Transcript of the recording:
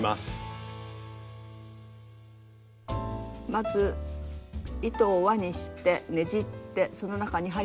まず糸を輪にしてねじってその中に針を通します。